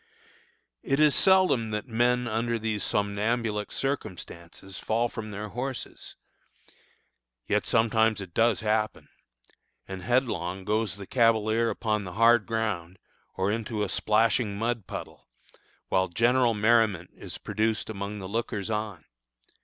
It is seldom that men under these somnambulic circumstances fall from their horses, yet sometimes it does happen, and headlong goes the cavalier upon the hard ground, or into a splashing mud puddle, while general merriment is produced among the lookers on.